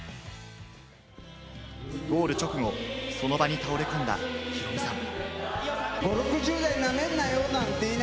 ゴール直後、その場に倒れ込んだヒロミさん。